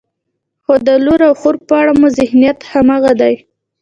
خو د لور او خور په اړه مو ذهنیت همغه دی.